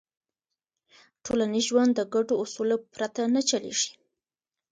ټولنیز ژوند د ګډو اصولو پرته نه چلېږي.